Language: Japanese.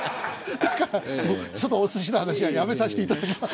ちょっと、おすしの話はやめさせていただきます。